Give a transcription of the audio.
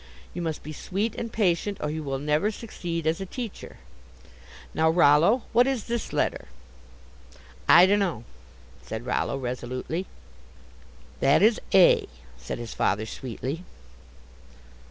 You must be sweet and patient, or you will never succeed as a teacher. Now, Rollo, what is this letter?" "I dunno," said Rollo, resolutely. "That is A," said his father, sweetly.